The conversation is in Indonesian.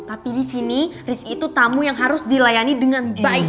tapi di sini rizky itu tamu yang harus dilayani dengan baik